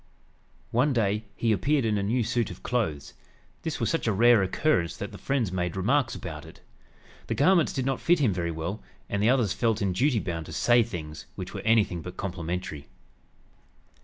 One day he appeared in a new suit of clothes. This was such a rare occurrence that the friends made remarks about it. The garments did not fit him very well, and the others felt in duty bound to "say things" which were anything but complimentary.